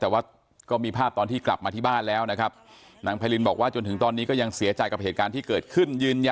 แต่ว่าก็มีภาพตอนที่กลับมาที่บ้านแล้วนะครับนางไพรินบอกว่าจนถึงตอนนี้ก็ยังเสียใจกับเหตุการณ์ที่เกิดขึ้น